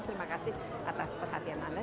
terima kasih atas perhatian anda